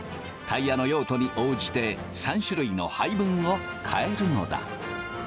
タイヤの用途に応じて３種類の配分を変えるのだ。